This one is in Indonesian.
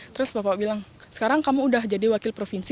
terus bapak bilang sekarang kamu udah jadi wakil provinsi